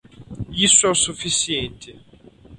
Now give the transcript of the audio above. Isso é o suficiente.